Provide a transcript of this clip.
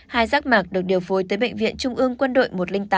hai giác mạc được điều phối tới bệnh viện trung ương quân đội một trăm linh tám